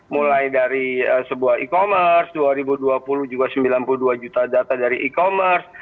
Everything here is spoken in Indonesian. mulai dari sebuah e commerce dua ribu dua puluh juga sembilan puluh dua juta data dari e commerce